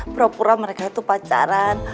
pura pura mereka itu pacaran